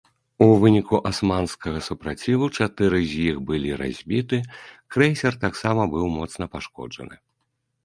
У выніку асманскага супраціву чатыры з іх былі разбіты, крэйсер таксама быў моцна пашкоджаны.